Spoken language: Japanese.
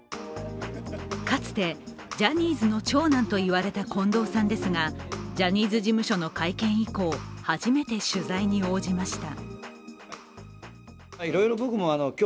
かつてジャニーズの長男と言われた近藤さんですが、ジャニーズ事務所の会見以降、初めて取材に応じました。